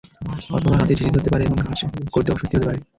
অথবা হাতে ঝিঁঝি ধরতে পারে এবং কাজ করতে অস্বস্তি হতে পারে।